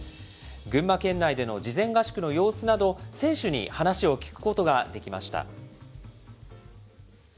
群馬県内での事前合宿の様子など、選手に話を聞くことができました。